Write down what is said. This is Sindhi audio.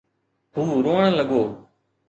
هو روئڻ لڳو.